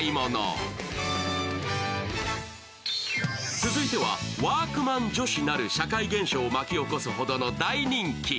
続いてはワークマン女子なる社会現象を巻き起こすほどの大人気。